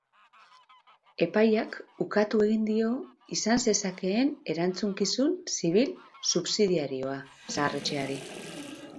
Epaiak ukatu egin dio izan zezakeen erantzukizun zibil subsidiarioa zahar-etxeari.